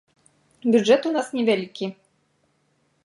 Бюджэт у нас невялікі.